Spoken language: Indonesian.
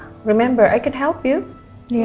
ingat aku bisa bantu kamu